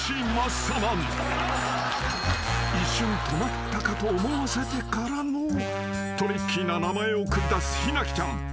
［一瞬止まったかと思わせてからのトリッキーな名前を繰り出すひなきちゃん］